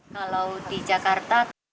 kalau di jakarta